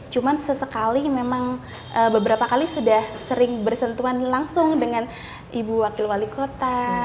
cuma sesekali memang beberapa kali sudah sering bersentuhan langsung dengan ibu wakil wali kota